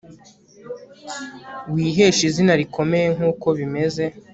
wiheshe izina rikomeye nk uko bimeze